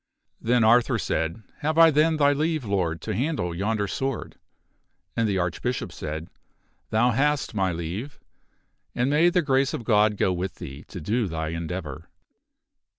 Then Arthur said, " Have I then thy leave, Lord, to handle yonder sword ?" And the Archbishop said, " Thou hast my leave, and may the grace of God go with thee to do thy endeavor."